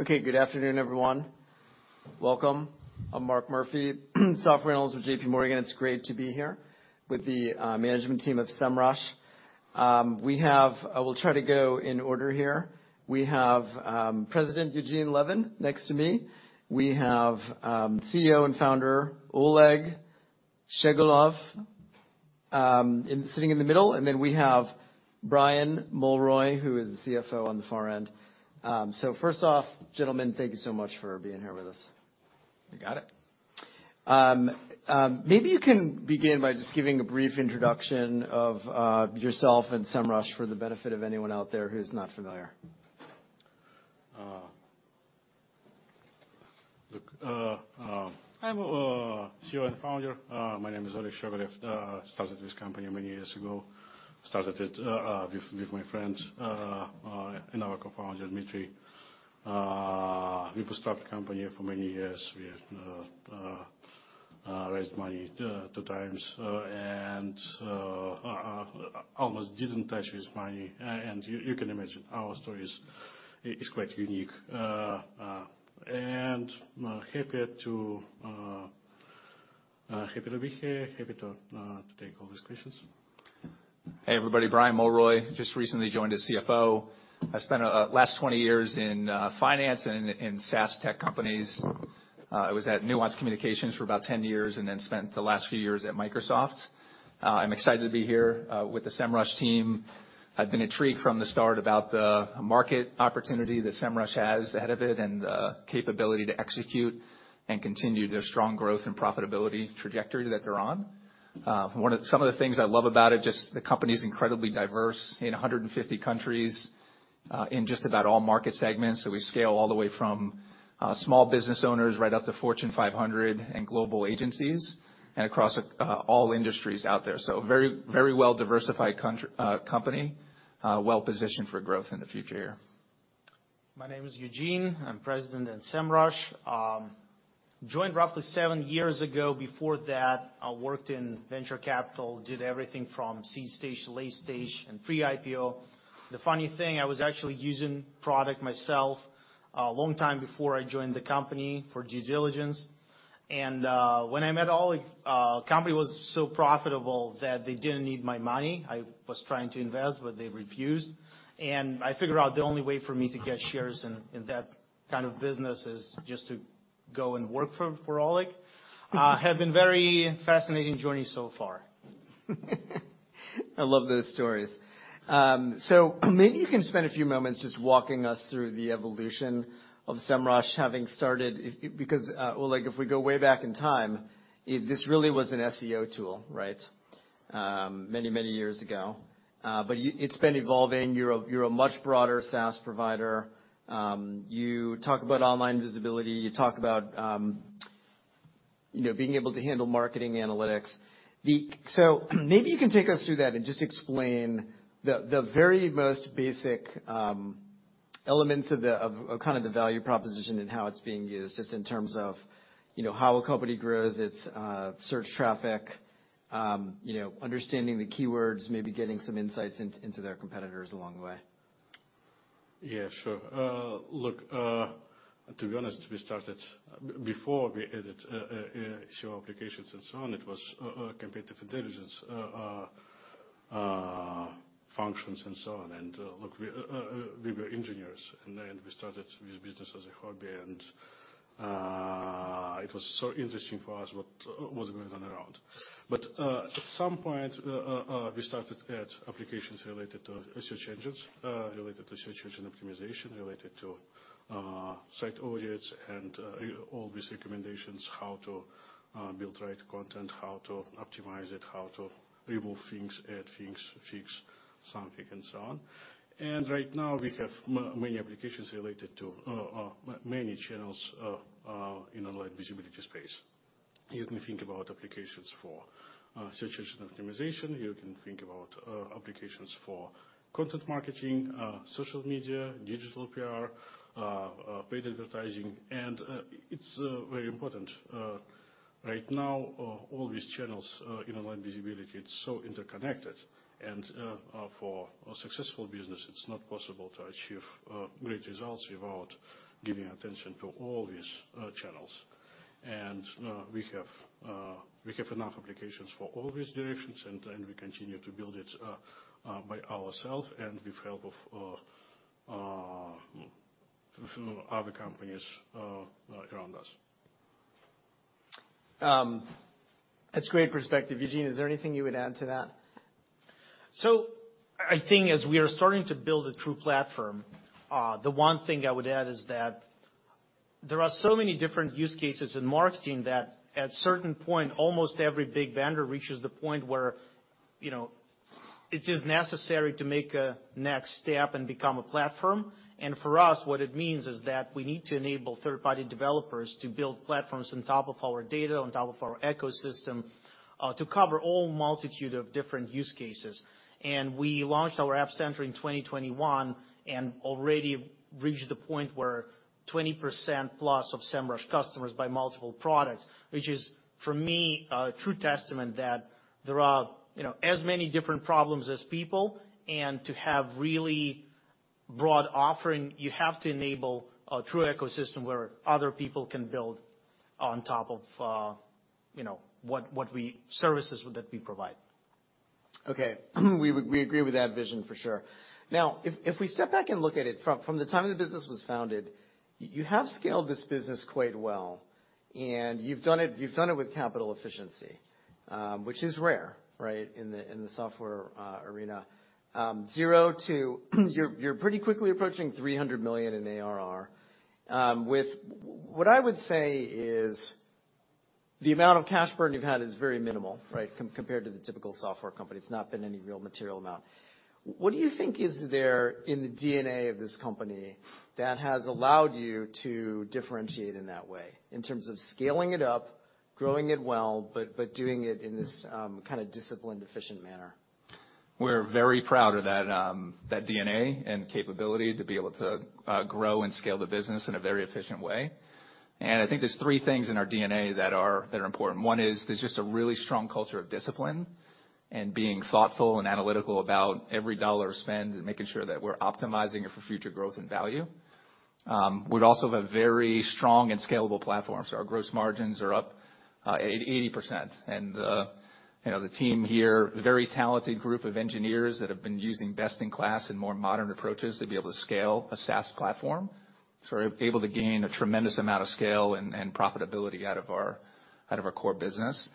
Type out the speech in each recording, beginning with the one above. Okay, good afternoon, everyone. Welcome. I'm Mark Murphy, software analyst with J.P. Morgan. It's great to be here with the management team of Semrush. We'll try to go in order here. We have President Eugene Levin next to me. We have CEO and founder Oleg Shchegolev sitting in the middle, then we have Brian Mulroy, who is the CFO on the far end. First off, gentlemen, thank you so much for being here with us. You got it. Maybe you can begin by just giving a brief introduction of yourself and Semrush for the benefit of anyone out there who's not familiar. Look, I'm a CEO and founder. My name is Oleg Shchegolev. Started this company many years ago. Started it with my friends and our co-founder, Dmitry. We've started the company for many years. We have raised money 2 times and almost didn't touch with money. You can imagine our story is quite unique. I'm happier to, happy to be here, happy to take all these questions. Hey, everybody. Brian Mulroy, just recently joined as CFO. I spent last 20 years in finance and in SaaS tech companies. I was at Nuance Communications for about 10 years and then spent the last few years at Microsoft. I'm excited to be here with the Semrush team. I've been intrigued from the start about the market opportunity that Semrush has ahead of it and the capability to execute and continue their strong growth and profitability trajectory that they're on. Some of the things I love about it, just the company is incredibly diverse. In 150 countries, in just about all market segments. We scale all the way from small business owners right up to Fortune 500 and global agencies and across all industries out there. Very well-diversified company, well positioned for growth in the future here. My name is Eugene. I'm President at Semrush. Joined roughly seven years ago. Before that, I worked in venture capital. Did everything from seed stage to late stage and pre-IPO. The funny thing, I was actually using product myself a long time before I joined the company for due diligence. When I met Oleg, company was so profitable that they didn't need my money. I was trying to invest, but they refused. I figured out the only way for me to get shares in that kind of business is just to go and work for Oleg. Have been very fascinating journey so far. I love those stories. Maybe you can spend a few moments just walking us through the evolution of Semrush having started it. Because Oleg, if we go way back in time, this really was an SEO tool, right? Many, many years ago. It's been evolving. You're a much broader SaaS provider. You talk about online visibility. You talk about, you know, being able to handle marketing analytics. Maybe you can take us through that and just explain the very most basic elements of kind of the value proposition and how it's being used just in terms of, you know, how a company grows its search traffic, you know, understanding the keywords, maybe getting some insights into their competitors along the way. Yeah, sure. Look, to be honest, we started. Before we added SEO applications and so on, it was competitive intelligence functions and so on. Look, we were engineers, and then we started this business as a hobby. It was so interesting for us what was going on around. At some point, we started to add applications related to search engines, related to search engine optimization, related to Site Audits and all these recommendations, how to build right content, how to optimize it, how to remove things, add things, fix something, and so on. Right now, we have many applications related to many channels in online visibility space. You can think about applications for search engine optimization. You can think about applications for content marketing, social media, digital PR, paid advertising. It's very important. Right now, all these channels in online visibility, it's so interconnected. For a successful business, it's not possible to achieve great results without giving attention to all these channels. We have enough applications for all these directions, and then we continue to build it by ourself and with help of other companies around us. That's great perspective. Eugene, is there anything you would add to that? I think as we are starting to build a true platform, the one thing I would add is that there are so many different use cases in marketing that at certain point, almost every big vendor reaches the point where, you know, it is necessary to make a next step and become a platform. For us, what it means is that we need to enable third-party developers to build platforms on top of our data, on top of our ecosystem, to cover all multitude of different use cases. We launched our App Center in 2021 and already reached the point 20% plus of Semrush customers buy multiple products, which is, for me, a true testament that there are, you know, as many different problems as people. To have really broad offering, you have to enable a true ecosystem where other people can build on top of, you know, services that we provide. Okay. We agree with that vision for sure. Now if we step back and look at it from the time the business was founded, you have scaled this business quite well, and you've done it with capital efficiency, which is rare, right, in the software arena. Zero to you're pretty quickly approaching $300 million in ARR. What I would say is the amount of cash burn you've had is very minimal, right? Compared to the typical software company. It's not been any real material amount. What do you think is there in the DNA of this company that has allowed you to differentiate in that way in terms of scaling it up, growing it well, but doing it in this kind of disciplined, efficient manner? We're very proud of that DNA and capability to be able to grow and scale the business in a very efficient way. I think there's 3 things in our DNA that are important. One is there's just a really strong culture of discipline and being thoughtful and analytical about every dollar spent and making sure that we're optimizing it for future growth and value. We'd also have a very strong and scalable platform, so our gross margins are up 80%. You know, the team here, a very talented group of engineers that have been using best in class and more modern approaches to be able to scale a SaaS platform. Able to gain a tremendous amount of scale and profitability out of our core business.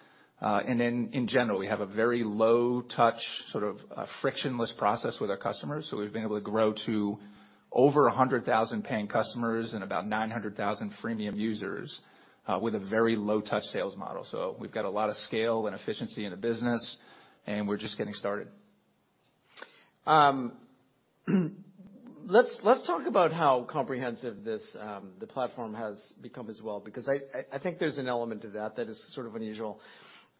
In general, we have a very low touch, sort of a frictionless process with our customers. We've been able to grow to over 100,000 paying customers and about 900,000 freemium users, with a very low touch sales model. We've got a lot of scale and efficiency in the business, and we're just getting started. Let's talk about how comprehensive this the platform has become as well, because I think there's an element to that that is sort of unusual.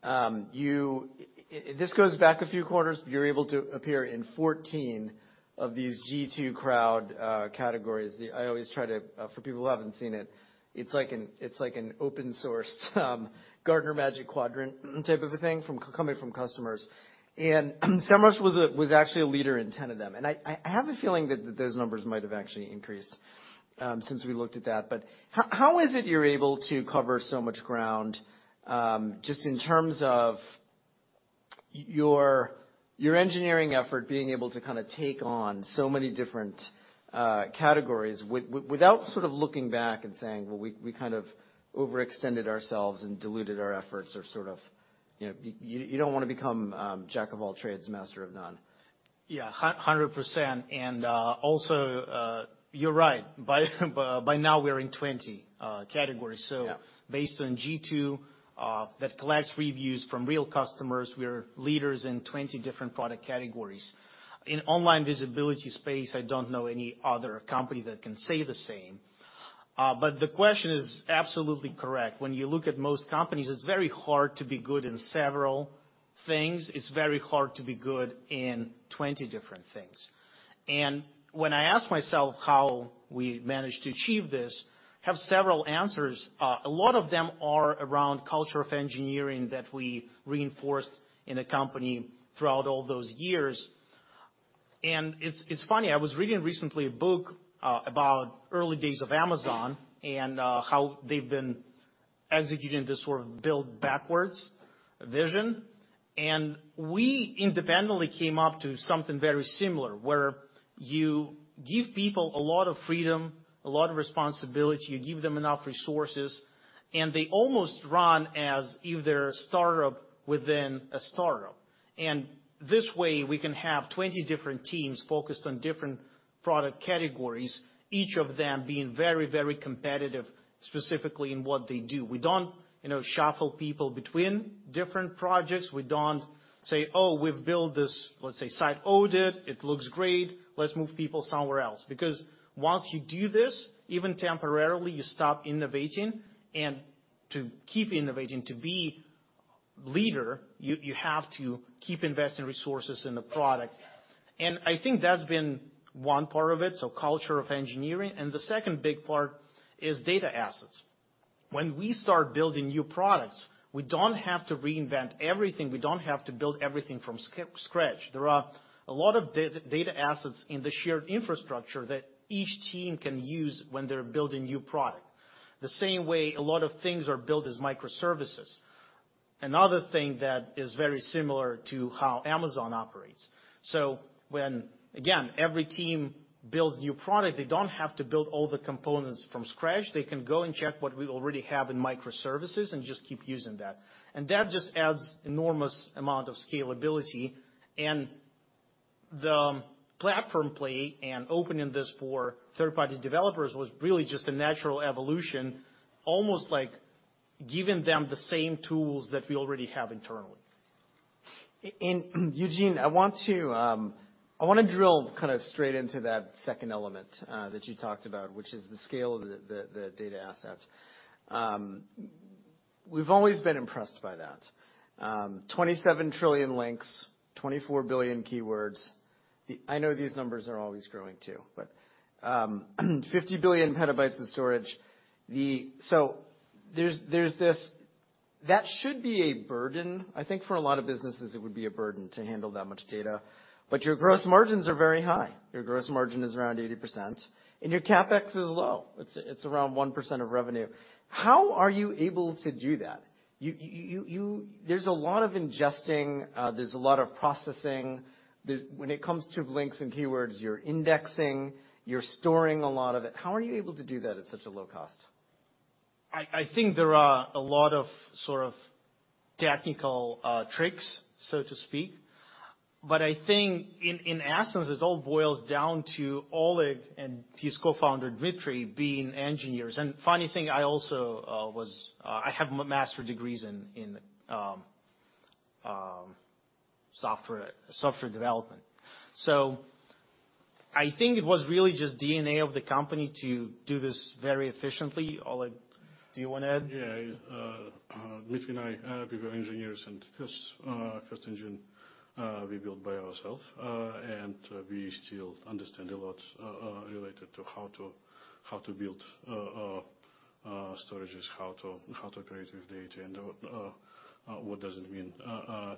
This goes back a few quarters, you're able to appear in 14 of these G2 categories. I always try to, for people who haven't seen it's like an open source Gartner Magic Quadrant type of a thing coming from customers. Semrush was actually a leader in 10 of them. I have a feeling that those numbers might have actually increased since we looked at that. How is it you're able to cover so much ground, just in terms of your engineering effort being able to kinda take on so many different categories without sort of looking back and saying, "Well, we kind of overextended ourselves and diluted our efforts or sort of..." You know, you don't wanna become jack of all trades, master of none. Yeah, 100%. Also, you're right. By now we're in 20 categories. Yeah. Based on G2, that collects reviews from real customers, we're leaders in 20 different product categories. In online visibility space, I don't know any other company that can say the same. The question is absolutely correct. When you look at most companies, it's very hard to be good in several things. It's very hard to be good in 20 different things. When I ask myself how we managed to achieve this, have several answers. A lot of them are around culture of engineering that we reinforced in the company throughout all those years. It's, it's funny, I was reading recently a book about early days of Amazon and how they've been executing this sort of build backwards vision. We independently came up to something very similar, where you give people a lot of freedom, a lot of responsibility, you give them enough resources, and they almost run as if they're a startup within a startup. This way, we can have 20 different teams focused on different product categories, each of them being very, very competitive, specifically in what they do. We don't, you know, shuffle people between different projects. We don't say, "Oh, we've built this," let's say, "Site Audit. It looks great. Let's move people somewhere else." Because once you do this, even temporarily, you stop innovating. To keep innovating, to be leader, you have to keep investing resources in the product. I think that's been one part of it, so culture of engineering. The second big part is data assets. When we start building new products, we don't have to reinvent everything. We don't have to build everything from scratch. There are a lot of data assets in the shared infrastructure that each team can use when they're building new product. The same way a lot of things are built as microservices. Another thing that is very similar to how Amazon operates. When, again, every team builds new product, they don't have to build all the components from scratch. They can go and check what we already have in microservices and just keep using that. That just adds enormous amount of scalability. The platform play and opening this for third-party developers was really just a natural evolution, almost like giving them the same tools that we already have internally. Eugene, I want to, I want to drill kind of straight into that second element that you talked about, which is the scale of the, the data assets. We've always been impressed by that. 27 trillion links, 24 billion keywords. I know these numbers are always growing too, but 50 billion petabytes of storage. That should be a burden. I think for a lot of businesses, it would be a burden to handle that much data. Your gross margins are very high. Your gross margin is around 80%, and your CapEx is low. It's around 1% of revenue. How are you able to do that? There's a lot of ingesting, there's a lot of processing. When it comes to links and keywords, you're indexing, you're storing a lot of it. How are you able to do that at such a low cost? I think there are a lot of, sort of, technical tricks, so to speak. I think in essence, this all boils down to Oleg and his co-founder, Dmitry, being engineers. Funny thing, I also was. I have master degrees in software development. I think it was really just DNA of the company to do this very efficiently. Oleg, do you wanna add? Yeah, Dmitry and I, we were engineers, and first engine we built by ourself. We still understand a lot related to how to build storages, how to operate with data and what does it mean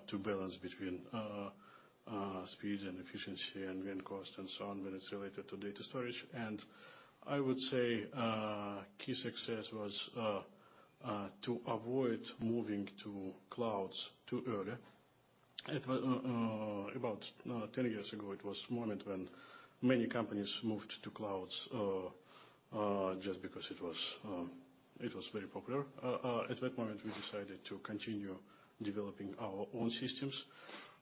to balance between speed and efficiency and cost and so on when it's related to data storage. I would say key success was to avoid moving to clouds too early. About 10 years ago, it was moment when many companies moved to clouds just because it was very popular. At that moment, we decided to continue developing our own systems.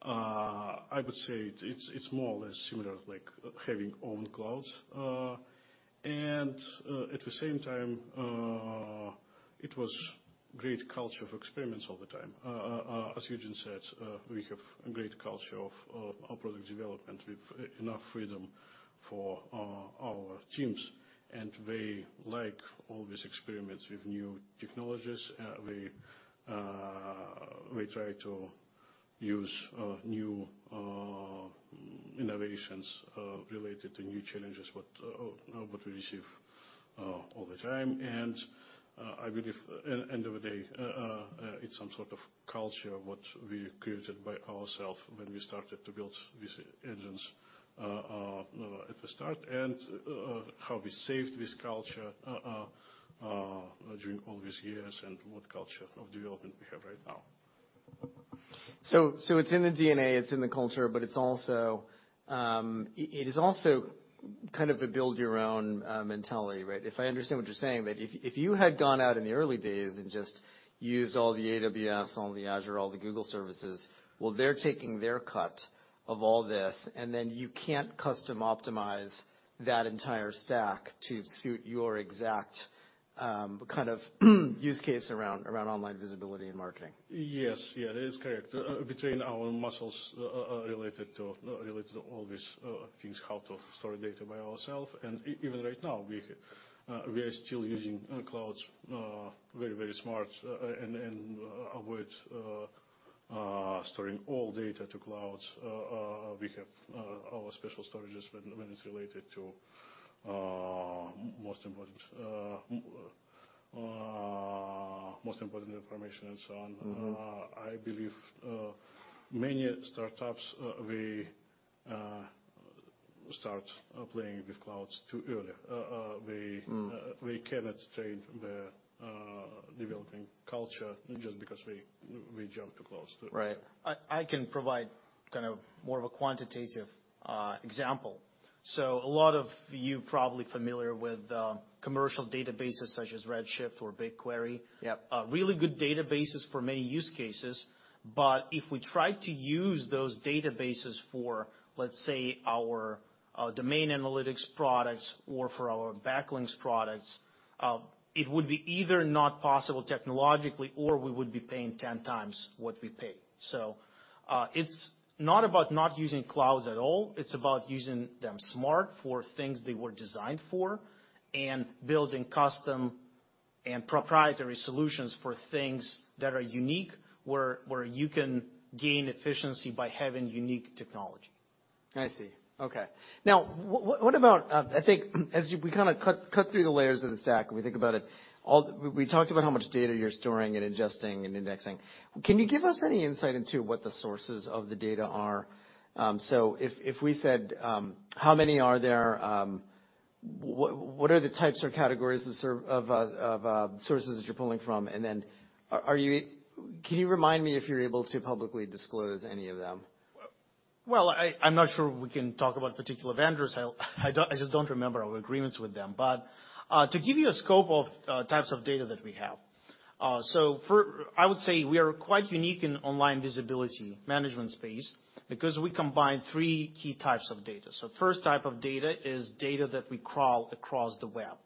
I would say it's more or less similar, like having own clouds. At the same time, it was great culture of experiments all the time. As Eugene said, we have a great culture of our product development. We've enough freedom for our teams, and they like all these experiments with new technologies. We try to use new innovations related to new challenges what we receive all the time. I believe at end of the day, it's some sort of culture what we created by ourself when we started to build these engines at the start and how we saved this culture during all these years, and what culture of development we have right now. It's in the DNA, it's in the culture, but it's also, it is also kind of a build your own mentality, right? If I understand what you're saying, that if you, if you had gone out in the early days and just used all the AWS, all the Azure, all the Google services, well, they're taking their cut of all this, and then you can't custom optimize that entire stack to suit your exact, kind of, use case around online visibility and marketing. Yes. Yeah, that is correct. We train our muscles related to all these things, how to store data by ourself. Even right now, we are still using clouds very smart and avoid storing all data to clouds. We have our special storages when it's related to most important information and so on. I believe, many startups start playing with clouds too early. We cannot change the developing culture just because we jump to clouds. Right. I can provide kind of more of a quantitative example. A lot of you probably familiar with commercial databases such as Redshift or BigQuery. Yep. Really good databases for many use cases. If we try to use those databases for, let's say, our Domain Analytics products or for our Backlinks products, it would be either not possible technologically or we would be paying 10 times what we pay. It's not about not using clouds at all. It's about using them smart for things they were designed for and building custom and proprietary solutions for things that are unique, where you can gain efficiency by having unique technology. I see. Okay. Now what about, I think as we kinda cut through the layers of the stack when we think about it, all... We talked about how much data you're storing and ingesting and indexing. Can you give us any insight into what the sources of the data are? If we said, how many are there, what are the types or categories of sources that you're pulling from? Are you... Can you remind me if you're able to publicly disclose any of them? Well, I'm not sure we can talk about particular vendors. I just don't remember our agreements with them. To give you a scope of types of data that we have. I would say we are quite unique in online visibility management space because we combine three key types of data. First type of data is data that we crawl across the web.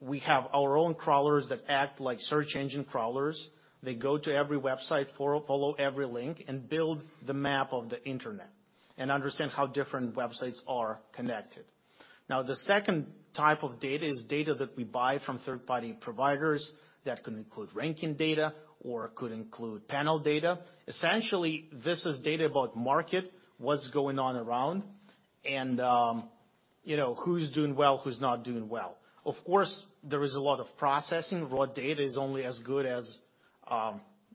We have our own crawlers that act like search engine crawlers. They go to every website, follow every link, and build the map of the Internet. Understand how different websites are connected. The second type of data is data that we buy from third-party providers that can include ranking data or could include panel data. Essentially, this is data about market, what's going on around and, you know, who's doing well, who's not doing well. Of course, there is a lot of processing. Raw data is only as good as,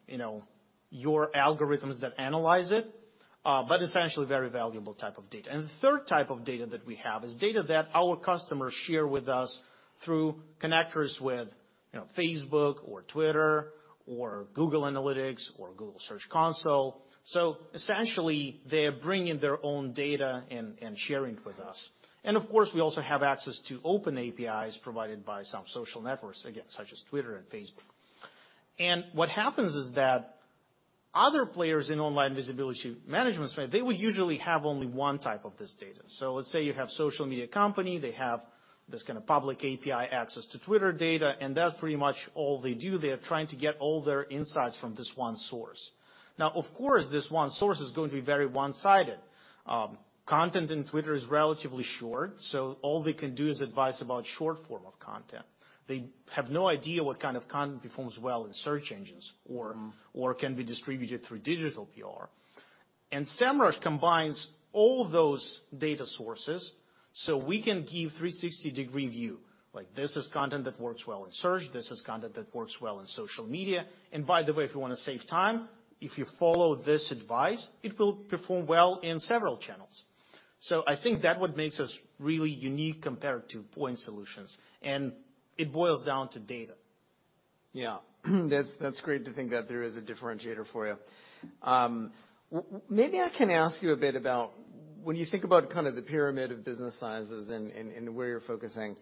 you know, your algorithms that analyze it, but essentially very valuable type of data. The third type of data that we have is data that our customers share with us through connectors with, you know, Facebook or Twitter or Google Analytics or Google Search Console. Essentially, they're bringing their own data and sharing with us. Of course, we also have access to open APIs provided by some social networks, again, such as Twitter and Facebook. What happens is that other players in online visibility management space, they would usually have only one type of this data. Let's say you have social media company, they have this kind of public API access to Twitter data, and that's pretty much all they do. They're trying to get all their insights from this one source. Of course, this one source is going to be very one-sided. Content in Twitter is relatively short, so all they can do is advise about short form of content. They have no idea what kind of content performs well in search engines. Can be distributed through digital PR. Semrush combines all those data sources, so we can give 360-degree view. Like, this is content that works well in search, this is content that works well in social media. By the way, if you wanna save time, if you follow this advice, it will perform well in several channels. I think that what makes us really unique compared to point solutions, and it boils down to data. Yeah. That's great to think that there is a differentiator for you. Maybe I can ask you a bit about when you think about kinda the pyramid of business sizes and where you're focusing,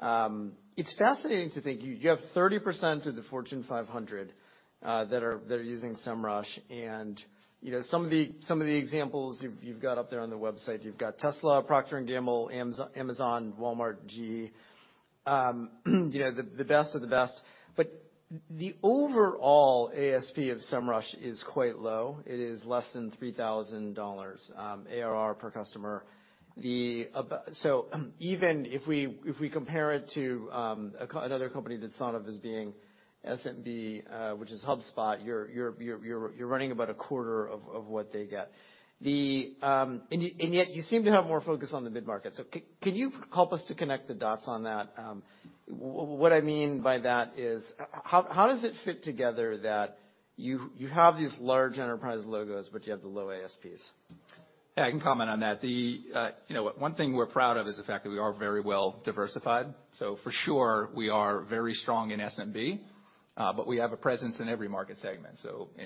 it's fascinating to think you have 30% of the Fortune 500 they're using Semrush. You know, some of the examples you've got up there on the website, you've got Tesla, Procter & Gamble, Amazon, Walmart, GE, you know, the best of the best. The overall ASP of Semrush is quite low. It is less than $3,000 ARR per customer. Even if we compare it to another company that's thought of as being SMB, which is HubSpot, you're running about a quarter of what they get. Yet you seem to have more focus on the mid-market. Can you help us to connect the dots on that? What I mean by that is, how does it fit together that you have these large enterprise logos, but you have the low ASPs? Yeah, I can comment on that. The... You know, one thing we're proud of is the fact that we are very well diversified. For sure, we are very strong in SMB, but we have a presence in every market segment.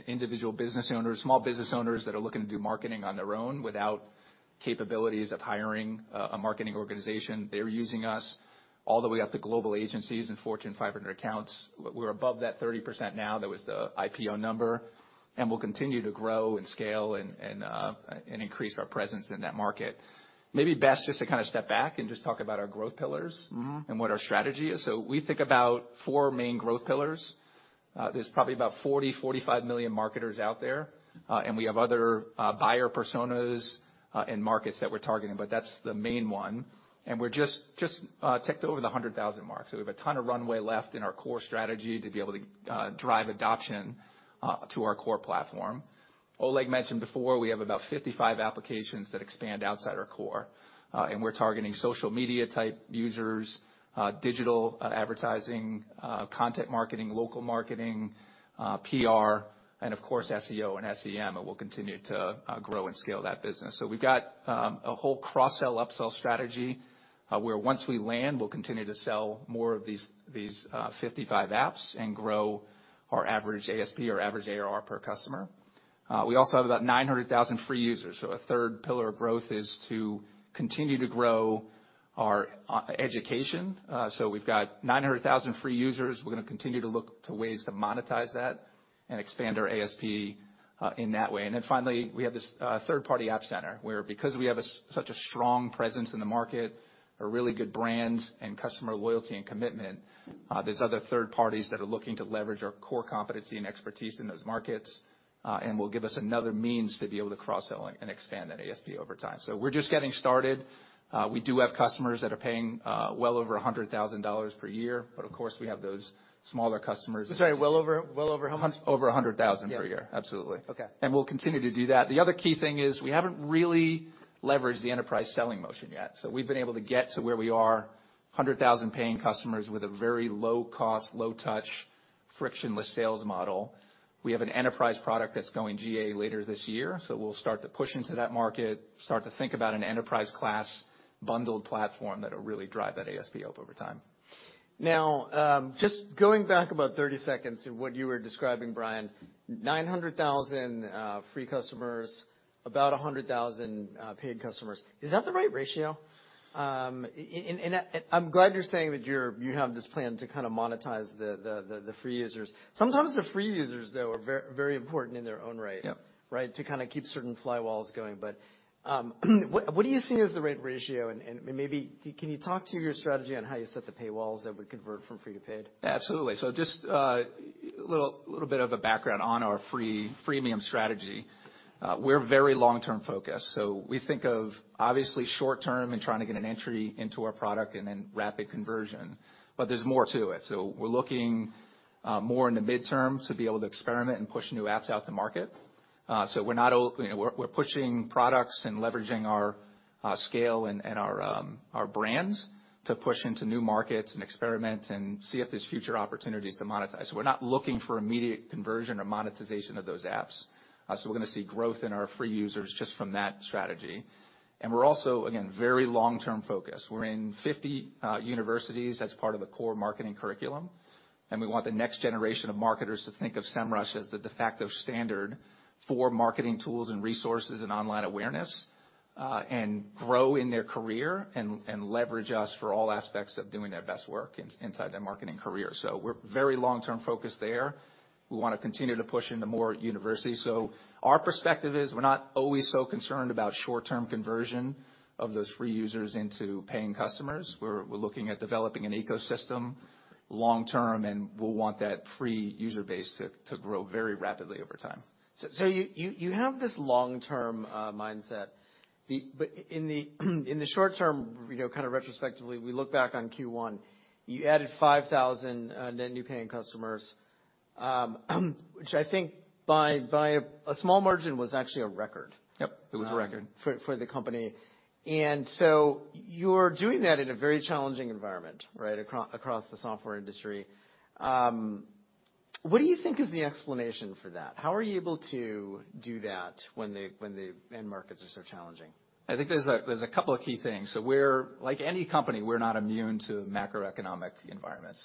Individual business owners, small business owners that are looking to do marketing on their own without capabilities of hiring a marketing organization, they're using us, all the way up to global agencies and Fortune 500 accounts. We're above that 30% now. That was the IPO number. We'll continue to grow and scale and increase our presence in that market. Maybe best just to kinda step back and just talk about our growth pillars- What our strategy is. We think about four main growth pillars. There's probably about 40 to 45 million marketers out there, and we have other buyer personas and markets that we're targeting, but that's the main one. We're just ticked over the 100,000 mark. We have a ton of runway left in our core strategy to be able to drive adoption to our core platform. Oleg mentioned before we have about 55 applications that expand outside our core, and we're targeting social media type users, digital advertising, content marketing, local marketing, PR, and of course, SEO and SEM. We'll continue to grow and scale that business. We've got a whole cross-sell, upsell strategy where once we land, we'll continue to sell more of these 55 apps and grow our average ASP or average ARR per customer. We also have about 900,000 free users. A third pillar of growth is to continue to grow our education. We've got 900,000 free users. We're gonna continue to look to ways to monetize that and expand our ASP in that way. Finally, we have this third-party App Center, where because we have such a strong presence in the market, a really good brand and customer loyalty and commitment, there's other third parties that are looking to leverage our core competency and expertise in those markets, and will give us another means to be able to cross-sell and expand that ASP over time. We're just getting started. We do have customers that are paying well over $100,000 per year, but of course, we have those smaller customers. I'm sorry, well over how much? Over $100,000 per year. Yeah. Absolutely. Okay. We'll continue to do that. The other key thing is we haven't really leveraged the enterprise selling motion yet. We've been able to get to where we are, 100,000 paying customers with a very low cost, low touch, frictionless sales model. We have an enterprise product that's going GA later this year. We'll start to push into that market, start to think about an enterprise class bundled platform that'll really drive that ASP up over time. Now, just going back about 30 seconds to what you were describing, Brian. 900,000 free customers, about 100,000 paid customers. Is that the right ratio? I'm glad you're saying that you have this plan to kinda monetize the, the free users. Sometimes the free users, though, are very important in their own right. Yep. Right? To kinda keep certain flywalls going. What do you see as the right ratio? Maybe can you talk to your strategy on how you set the paywalls that would convert from free to paid? Absolutely. Just a little bit of a background on our freemium strategy. We're very long-term focused, so we think of obviously short-term and trying to get an entry into our product and then rapid conversion. But there's more to it. We're looking more in the midterm to be able to experiment and push new apps out to market. We're pushing products and leveraging our scale and our brands to push into new markets and experiment and see if there's future opportunities to monetize. We're not looking for immediate conversion or monetization of those apps. We're gonna see growth in our free users just from that strategy. We're also, again, very long-term focused. We're in 50 universities as part of the core marketing curriculum. We want the next generation of marketers to think of Semrush as the de facto standard for marketing tools and resources and online awareness, and grow in their career and leverage us for all aspects of doing their best work inside their marketing career. We're very long-term focused there. We wanna continue to push into more universities. Our perspective is we're not always so concerned about short-term conversion of those free users into paying customers. We're looking at developing an ecosystem long term, and we'll want that free user base to grow very rapidly over time. You have this long-term mindset. In the short term, you know, kind of retrospectively, we look back on Q1, you added 5,000 net new paying customers, which I think by a small margin was actually a record. Yep, it was a record. for the company. You're doing that in a very challenging environment, right, across the software industry. What do you think is the explanation for that? How are you able to do that when the end markets are so challenging? I think there's a couple of key things. Like any company, we're not immune to macroeconomic environments.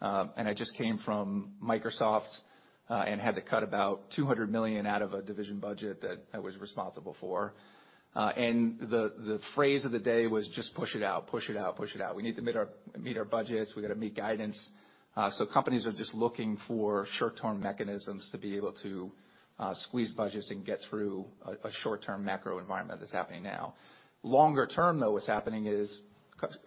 I just came from Microsoft and had to cut about $200 million out of a division budget that I was responsible for. The phrase of the day was just push it out, push it out, push it out. We need to meet our budgets. We gotta meet guidance. Companies are just looking for short-term mechanisms to be able to squeeze budgets and get through a short-term macro environment that's happening now. Longer term, though, what's happening is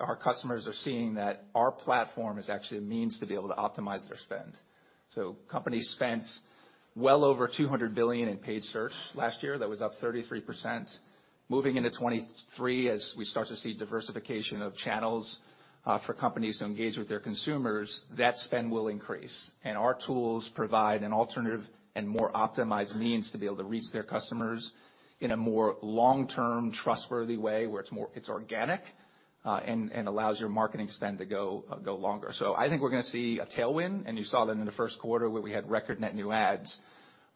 our customers are seeing that our platform is actually a means to be able to optimize their spend. Companies spent well over $200 billion in paid search last year. That was up 33%. Moving into 2023, as we start to see diversification of channels for companies to engage with their consumers, that spend will increase. Our tools provide an alternative and more optimized means to be able to reach their customers in a more long-term, trustworthy way, where it's organic, and allows your marketing spend to go longer. I think we're gonna see a tailwind, and you saw that in the Q1 where we had record net new ads.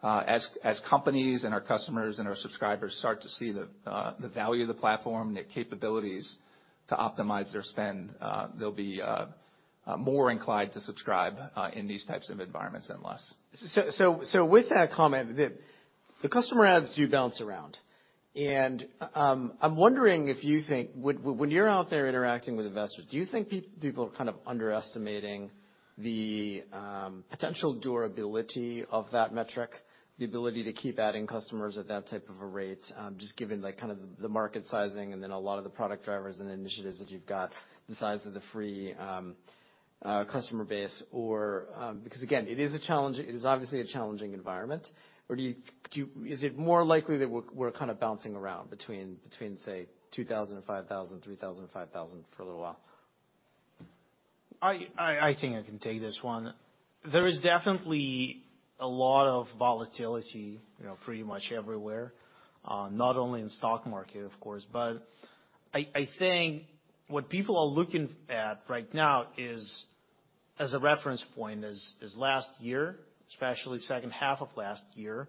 As companies and our customers and our subscribers start to see the value of the platform and the capabilities to optimize their spend, they'll be more inclined to subscribe in these types of environments and less. With that comment, the customer ads do bounce around. I'm wondering if you think when you're out there interacting with investors, do you think people are kind of underestimating the potential durability of that metric, the ability to keep adding customers at that type of a rate, just given, like, kind of the market sizing and then a lot of the product drivers and initiatives that you've got the size of the free customer base or? Again, it is a challenge. It is obviously a challenging environment. Is it more likely that we're kind of bouncing around between, say, 2,000 and 5,000, 3,000 and 5,000 for a little while? I think I can take this one. There is definitely a lot of volatility, you know, pretty much everywhere, not only in stock market, of course. I think what people are looking at right now is, as a reference point, is last year, especially H2 of last year.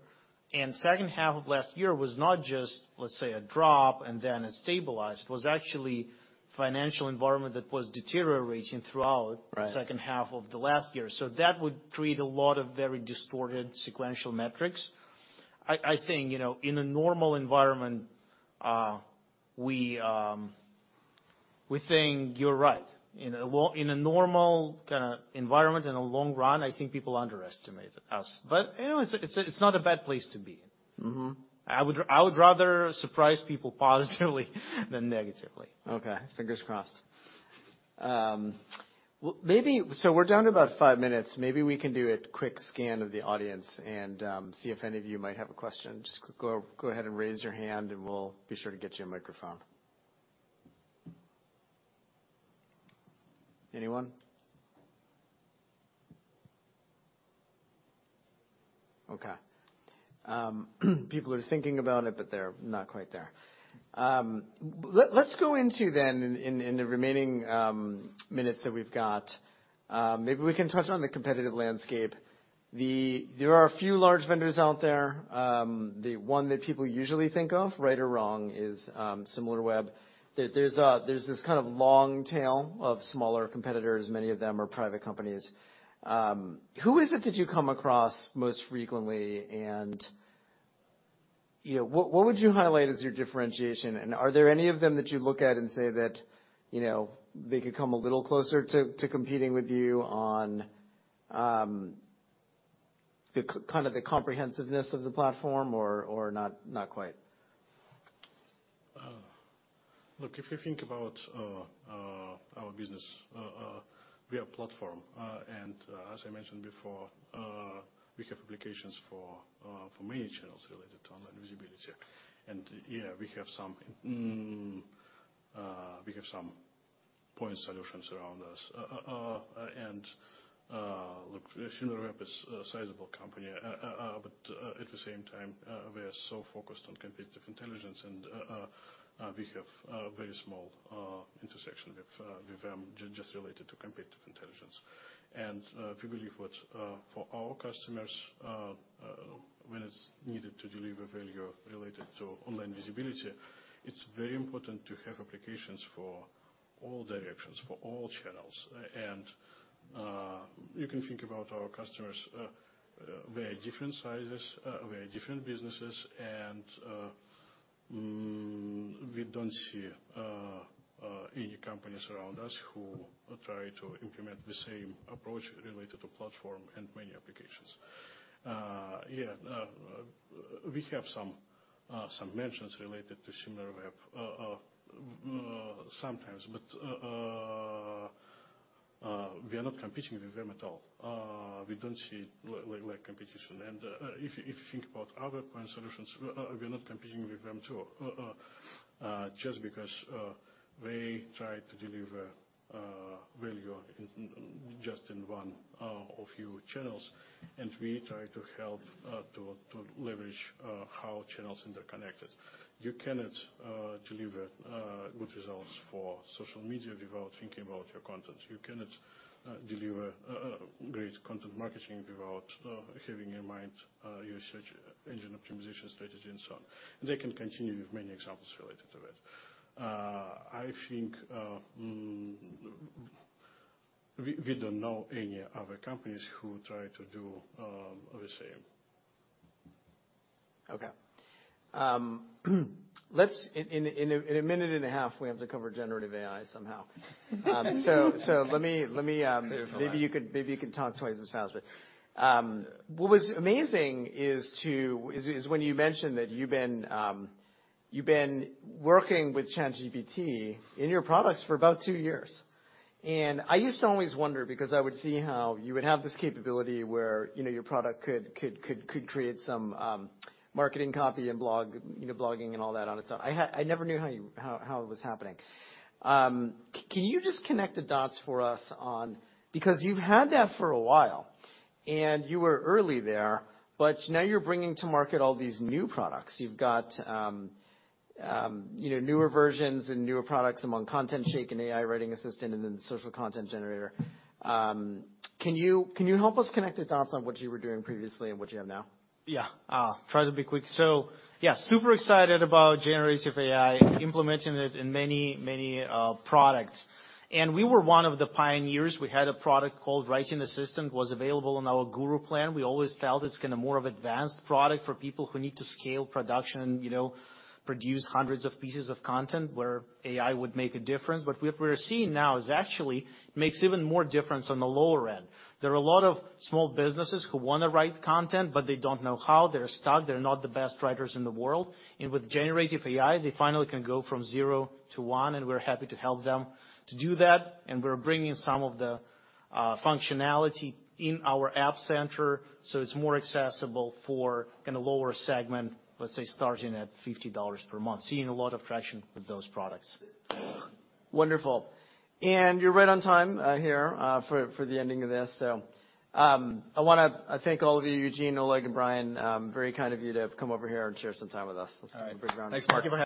H2 of last year was not just, let's say, a drop and then it stabilized. It was actually financial environment that was deteriorating throughout- Right the H2 of the last year. That would create a lot of very distorted sequential metrics. I think, you know, in a normal environment, we think you're right. In a normal kind of environment, in the long run, I think people underestimate us. You know, it's not a bad place to be. I would rather surprise people positively than negatively. Okay. Fingers crossed. Maybe we're down to about 5 minutes. Maybe we can do a quick scan of the audience and see if any of you might have a question. Just go ahead and raise your hand, and we'll be sure to get you a microphone. Anyone? Okay. People are thinking about it, but they're not quite there. Let's go into then in the remaining minutes that we've got, maybe we can touch on the competitive landscape. There are a few large vendors out there. The one that people usually think of, right or wrong, is Similarweb. There's this kind of long tail of smaller competitors. Many of them are private companies. Who is it that you come across most frequently? You know, what would you highlight as your differentiation? Are there any of them that you look at and say that, you know, they could come a little closer to competing with you on, the kind of the comprehensiveness of the platform or, not quite? Look, if you think about our business, we are platform. As I mentioned before, we have applications for many channels related to online visibility. Yeah, we have some. We have some point solutions around us. Look, Similarweb is a sizable company, but at the same time, we are so focused on competitive intelligence, and we have very small intersection with them just related to competitive intelligence. We believe what's for our customers, when it's needed to deliver value related to online visibility, it's very important to have applications for all directions, for all channels. You can think about our customers, very different sizes, very different businesses. We don't see any companies around us who try to implement the same approach related to platform and many applications. Yeah, we have some mentions related to Similarweb sometimes, but we are not competing with them at all. We don't see like competition. If you think about other point solutions, we're not competing with them, too, just because they try to deliver value in just in one or few channels, and we try to help to leverage how channels interconnected. You cannot deliver good results for social media without thinking about your content. You cannot deliver great content marketing without having in mind your search engine optimization strategy and so on. I can continue with many examples related to it. I think we don't know any other companies who try to do the same. Okay. In a minute and a half, we have to cover generative AI somehow. Let me Clear for that. Maybe you can talk twice as fast. What was amazing is when you mentioned that you've been working with ChatGPT in your products for about two years. I used to always wonder, because I would see how you would have this capability where, you know, your product could create some marketing copy and blog, you know, blogging and all that on its own. I never knew how you, how it was happening. Can you just connect the dots for us on: Because you've had that for a while, and you were early there, but now you're bringing to market all these new products. You've got, you know, newer versions and newer products among ContentShake AI and AI Writing Assistant and then AI Social Content Generator. Can you help us connect the dots on what you were doing previously and what you have now? Yeah. I'll try to be quick. Yeah, super excited about generative AI, implementing it in many, many products. We were one of the pioneers. We had a product called Writing Assistant, was available on our Guru plan. We always felt it's kind of more of advanced product for people who need to scale production and, you know, produce hundreds of pieces of content where AI would make a difference. What we're seeing now is actually makes even more difference on the lower end. There are a lot of small businesses who wanna write content, but they don't know how. They're stuck. They're not the best writers in the world. With generative AI, they finally can go from zero to one, and we're happy to help them to do that, and we're bringing some of the functionality in our App Center so it's more accessible for kind of lower segment, let's say starting at $50 per month. Seeing a lot of traction with those products. Wonderful. You're right on time, here, for the ending of this. I wanna thank all of you, Eugene, Oleg, and Brian. Very kind of you to have come over here and share some time with us. All right. Let's have a big round of applause. Thanks very much.